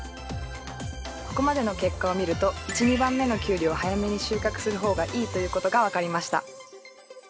ここまでの結果を見ると１・２番目のキュウリを早めに収穫する方がいいということが分かりました。